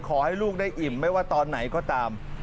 ขอให้ลูกได้อิ่มไม่ว่าตอนไหนก็ตาม